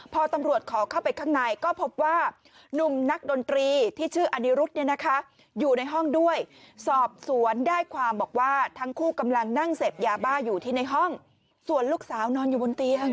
พอตำรวจขอเข้าไปข้างในก็พบว่านุ่มนักดนตรีที่ชื่ออนิรุธเนี่ยนะคะอยู่ในห้องด้วยสอบสวนได้ความบอกว่าทั้งคู่กำลังนั่งเสพยาบ้าอยู่ที่ในห้องส่วนลูกสาวนอนอยู่บนเตียง